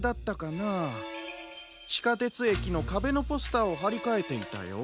ちかてつえきのかべのポスターをはりかえていたよ。